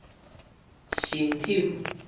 辛丑